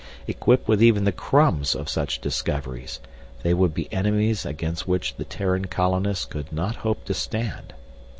Equipped with even the crumbs of such discoveries, they would be enemies against which the Terran colonists could not hope to stand.